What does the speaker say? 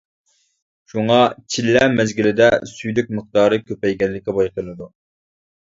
شۇڭا چىللە مەزگىلىدە سۈيدۈك مىقدارى كۆپەيگەنلىكى بايقىلىدۇ.